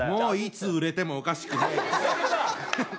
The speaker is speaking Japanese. もういつ売れてもおかしくないです。